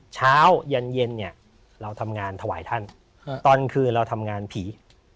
เช้ายันเย็นเนี่ยเราทำงานถวายท่านตอนคืนเราทำงานผี